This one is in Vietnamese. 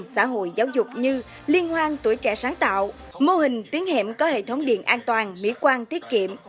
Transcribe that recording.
mô hình xã hội giáo dục như liên hoan tuổi trẻ sáng tạo mô hình tuyến hẹm có hệ thống điện an toàn mỹ quan tiết kiệm